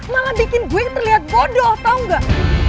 malah bikin gue terlihat bodoh tau nggak